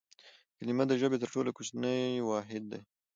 کلیمه د ژبي تر ټولو کوچنی واحد دئ.